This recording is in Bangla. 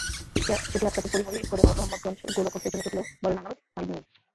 সেটি আটকাতে পড়িমরি করে রহমতগঞ্জ গোলরক্ষক পেছনে ছুটলেও বলের নাগাল পাননি।